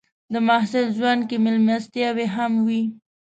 د محصل ژوند کې مېلمستیاوې هم وي.